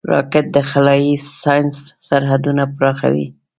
راکټ د خلایي ساینس سرحدونه پراخوي